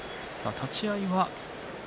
立ち合いは。